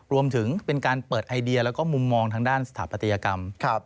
รวมถึงเป็นการเปิดไอเดียแล้วก็มุมมองทางด้านสถาปัตยกรรม